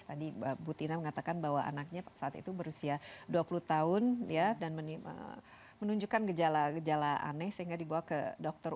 tadi bu tina mengatakan bahwa anaknya saat itu berusia dua puluh tahun dan menunjukkan gejala gejala aneh sehingga dibawa ke dokter